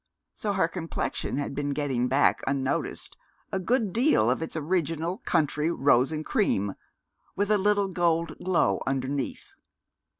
So her complexion had been getting back, unnoticed, a good deal of its original country rose and cream, with a little gold glow underneath.